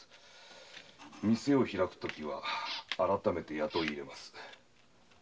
店を開くときは改めて雇い入れます。